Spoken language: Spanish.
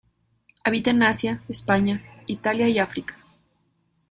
Habita en Asia, España, Italia y África.